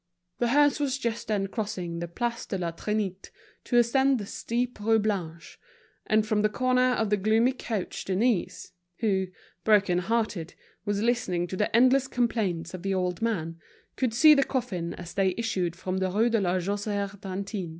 The hearse was just then crossing the Place de la Trinité to ascend the steep Rue Blanche, and from the corner of the gloomy coach Denise, who, broken hearted, was listening to the endless complaints of the old man, could see the coffin as they issued from the Rue de la Chausseé d'Antin.